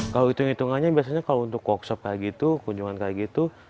kalau hitung hitungannya biasanya kalau untuk workshop kayak gitu kunjungan kayak gitu